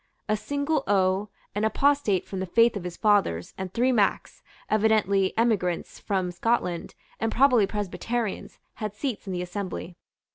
A single O, an apostate from the faith of his fathers, and three Macs, evidently emigrants from Scotland, and probably Presbyterians, had seats in the assembly.